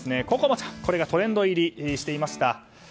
ここもちゃん、これがトレンド入りしていました。